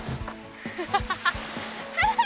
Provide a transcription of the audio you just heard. ハハハハハ。